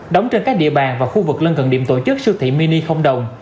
đóng trên các địa bàn và khu vực lân gần điểm tổ chức sưu thị mini không đồng